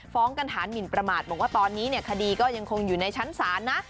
ฟ้องกันฐานหมินประมาทบอกว่าตอนนี้คดีก็ยังคงอยู่ในชั้นศาลนะ